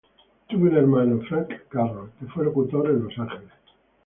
Tuvo un hermano, Frank Carroll, que fue locutor en Los Ángeles.